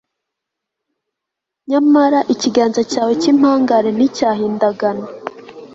nyamara ikiganza cyawe cy'impangare nticyahindagana